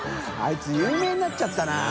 △い有名になっちゃったな。ねぇ。